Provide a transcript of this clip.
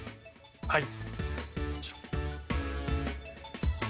はい！